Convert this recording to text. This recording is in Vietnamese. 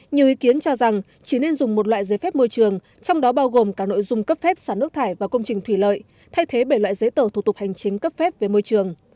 nhiều ý kiến cho rằng chỉ nên dùng một loại giấy phép môi trường trong đó bao gồm cả nội dung cấp phép sản nước thải và công trình thủy lợi thay thế bể loại giấy tờ thủ tục hành chính cấp phép về môi trường